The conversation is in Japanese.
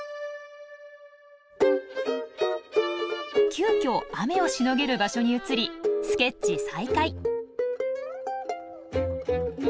急きょ雨をしのげる場所に移りスケッチ再開。